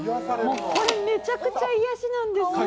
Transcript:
これめちゃくちゃ癒やしなんですよ。